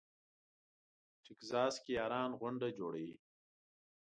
ټکزاس کې یاران غونډه جوړوي.